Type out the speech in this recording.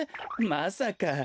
まさか。